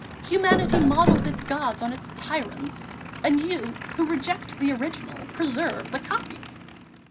Humanity models its gods on its tyrants, and you, who reject the original, preserve the copy!"